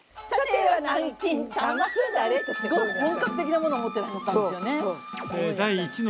すごい本格的なものを持ってらっしゃったんですよね。